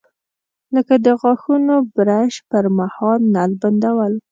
لکه د غاښونو برش پر مهال نل بندول.